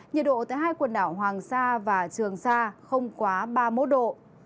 nhiệt độ tại hai quần đảo hoàng sa và trường sa không quá ba mươi một độ